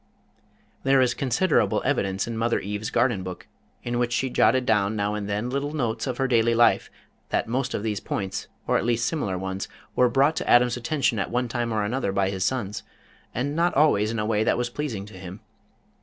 There is considerable evidence in Mother Eve's Garden Book, in which she jotted down now and then little notes of her daily life that most of these points, or at least similar ones, were brought to Adam's attention at one time or another by his sons, and not always in a way that was pleasing to him.